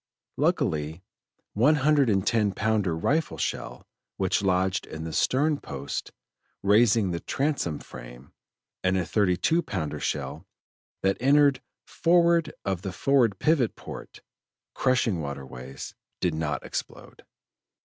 Luckily, a one hundred and ten pounder rifle shell which lodged in the stern post, raising the transom frame, and a thirty two pounder shell that entered forward of forward pivot port, crushing water ways, did not explode.